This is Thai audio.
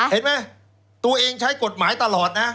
เห็นไหมตัวเองใช้กฎหมายตลอดนะ